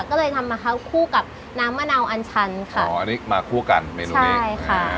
ก็เลยทำมะพร้าวคู่กับน้ำมะนาวอันชันค่ะอ๋ออันนี้มาคู่กันเมนูนี้ใช่ค่ะ